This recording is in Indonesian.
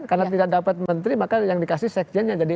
karena tidak dapat menteri maka yang dikasih sekjennya